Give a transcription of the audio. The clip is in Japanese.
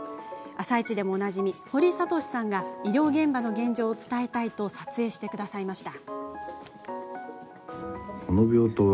「あさイチ」でもおなじみ堀賢さんが医療現場の現状を伝えたいと撮影してくれました。